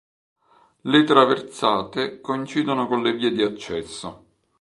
Le traversate coincidono con le vie di accesso.